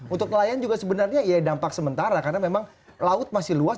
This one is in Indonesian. untuk nelayan juga sebenarnya ya dampak sementara karena memang laut masih luas